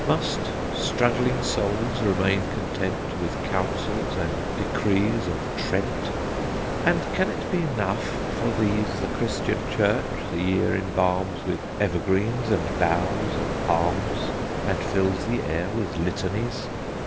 Must struggling souls remain content With councils and decrees of Trent? And can it be enough for these The Christian Church the year embalms With evergreens and boughs of palms, And fills the air with litanies?